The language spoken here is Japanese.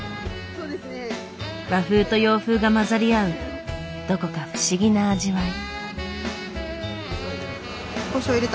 和風と洋風が混ざり合うどこか不思議な味わい。